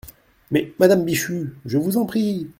Mais, madame Bichu, je vous en prie.